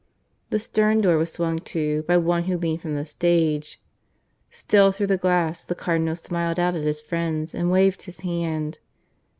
The stern door was swung to by one who leaned from the stage. Still through the glass the Cardinal smiled out at his friends and waved his hand.